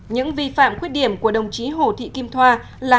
những vi phạm khuyết điểm của đồng chí hồ thị kim thoa là